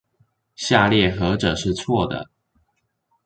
下列何者是錯的？